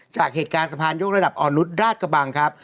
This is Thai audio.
จากเหตุการณ์สะพานยกระดับอ่อนนุษย์ราชกระบังครับ